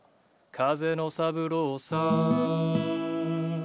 「風の三郎さ」